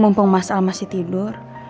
mumpung mas al masih tidur